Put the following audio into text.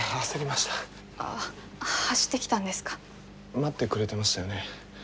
待ってくれてましたよね。